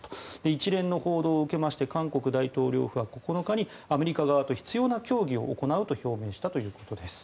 一連の報道を受けまして韓国大統領府は９日にアメリカ側と必要な協議を行うと表明したということです。